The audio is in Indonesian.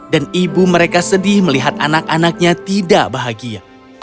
dan ibu mereka sedih melihat anak anaknya tidak bahagia